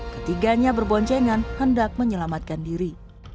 ketiganya berboncengan hendak menyelamatkan diri